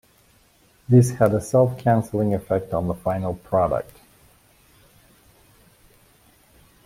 This had a self-canceling effect on the final product.